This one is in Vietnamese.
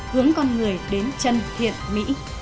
hướng con người đến chân thiện mỹ